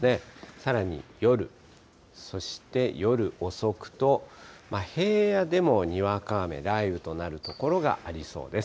さらに夜、そして夜遅くと、平野でもにわか雨、雷雨となる所がありそうです。